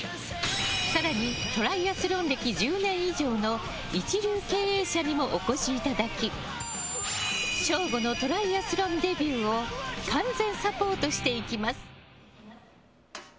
更にトライアスロン歴１０年以上の一流経営者にもお越しいただき省吾のトライアスロンデビューを完全サポートしていきます。